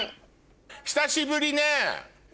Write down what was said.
久しぶりね。